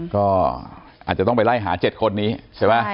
ก็อาจจะต้องไปไล่หา๗คนนี้ใช่ไหม